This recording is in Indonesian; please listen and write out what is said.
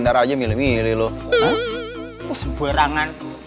gak gue ceburin ya